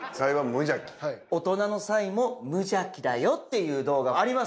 大人のサイも無邪気だよっていう動画あります。